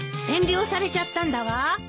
占領されちゃったんだわ。